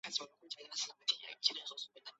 担任临沭县农业局农经中心副主任。